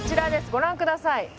ご覧ください。